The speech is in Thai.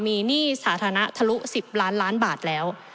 มีหนี้สาธารณะทะลุ๑๐ล้านล้านบาทแล้ว